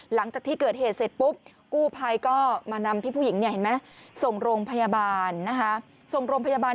หลังจากที่เกิดเหตุเสร็จปุ๊บกู่ภัยก็มานำพี่ผู้หญิง